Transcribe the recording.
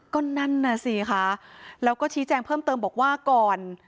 ก็นั่นน่ะสิคะแล้วก็ชี้แจงเพิ่มเติมบอกว่าก่อน